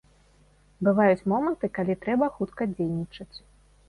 Бываюць моманты, калі трэба хутка дзейнічаць.